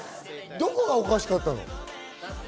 どこがおかしかったの？